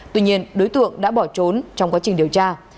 tuy nhiên đối tượng đã bỏ trốn trong quá trình điều tra